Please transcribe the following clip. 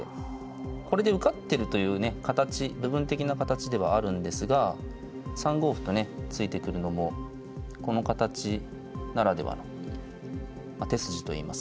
これで受かってるというね形部分的な形ではあるんですが３五歩とね突いてくるのもこの形ならではの手筋といいますか。